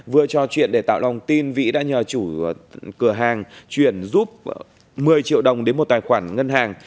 vừa cho chuyện để tạo lòng tin vĩ đã nhờ chủ cửa hàng chuyển giúp một mươi triệu đồng đến một tài khoản ngân hàng